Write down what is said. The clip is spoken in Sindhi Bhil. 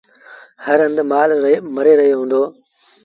هر هنڌ مآل مري رهيو هُݩدو۔